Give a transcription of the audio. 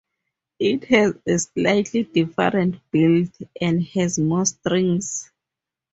It has a slightly different build and has more strings.